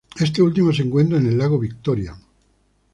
Este último se encuentra en el lago Victoria.